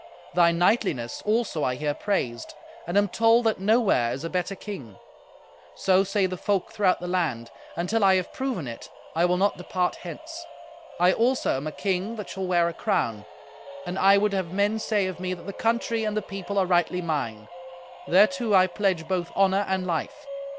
Thy knightliness also I hear praised, and am told that nowhere is a better king. So say the folk throughout the land; and, till I have proven it, I will not depart hence. I also am a king that shall wear a crown, and I would have men say of me that the country and the people are rightly mine. Thereto I pledge both honour and life.